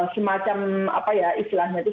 semacam apa ya istilahnya itu